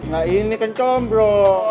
gak ini kenceng bro